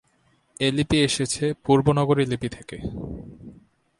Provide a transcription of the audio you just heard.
এ লিপি এসেছে পূর্ব নাগরী লিপি থেকে।